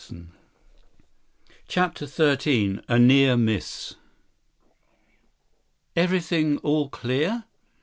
97 CHAPTER XIII A Near Miss "Everything all clear?"